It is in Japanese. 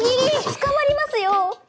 捕まりますよ。